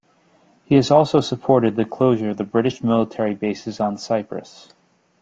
He has also supported the closure of the British military bases on Cyprus.